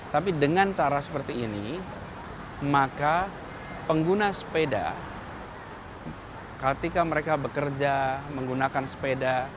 tapi dengan cara seperti ini maka pengguna sepeda ketika mereka bekerja menggunakan sepeda